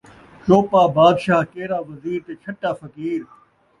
چوپا بادشاہ ، کیرا وزیر تے چھَٹا فقیر